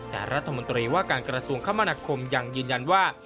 แต่รัฐมนตรีว่าการกระทรวงคมนาคมยังยืนยันว่า